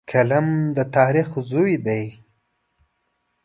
قلم د تاریخ زوی دی